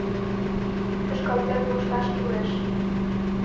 Шӱшкалтен мошташ кӱлеш.